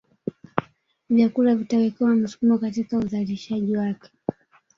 Vyakula vitawekewa msukumo katika uzalishaji wake